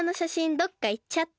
どっかいっちゃって。